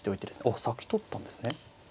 おっ先取ったんですね。